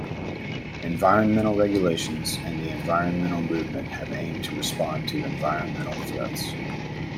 Environmental regulations and the environmental movement have aimed to respond to environmental threats.